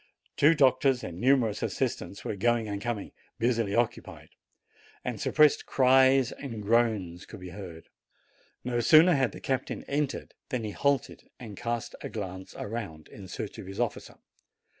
Two doctors and numerous assistants were going and coming, busily occupied; and suppressed cries and groans could be heard. No sooner had the captain entered than he halted and cast a glance around, in search of his officer.